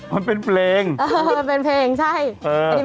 เห็นไหม